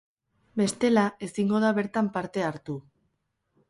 Bestela, ezingo da bertan parte hartu.